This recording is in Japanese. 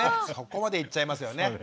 そこまでいっちゃいますよね。